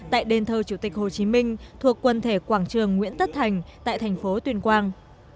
tại đền thờ chủ tịch hồ chí minh thuộc quần thể quảng trường nguyễn tất thành tại thành phố tuyên quang